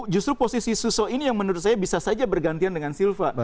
justru posisi suso ini yang menurut saya bisa saja bergantian dengan silva